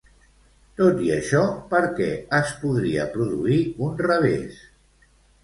Tot i això, per què es podria produir un revés?